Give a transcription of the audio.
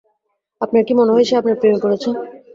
আপনার কি মনে হয় সে আপনার প্রেমে পড়েছে?